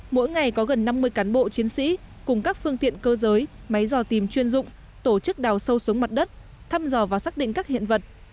mỗi ngày có gần năm mươi cán bộ chiến sĩ cùng các phương tiện cơ giới máy dò tìm chuyên dụng tổ chức đào sâu xuống mặt đất thăm dò và xác định các hiện vật